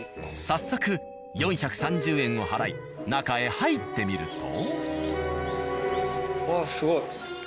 早速４３０円を払い中へ入ってみると。